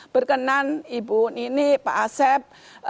berkenan ibu nini pak asep